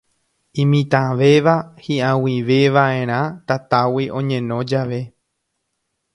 Imitãvéva hiʼag̃uivevaʼerã tatágui oñeno jave.